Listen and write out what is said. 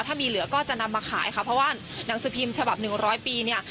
ถ้ามีเหลือก็จะนำมาขายค่ะเพราะว่าหนังสือพิมพ์ฉบับหนึ่งร้อยปีเนี่ย